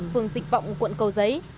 phường dịch vọng quận cầu giấy